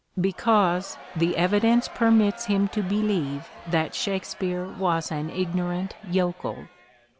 Because the evidence permits him to believe that Shakespeare was an ignorant yokel.